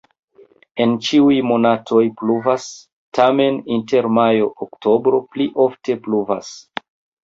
En ĉiuj monatoj pluvas, tamen inter majo-oktobro pli ofte pluvas.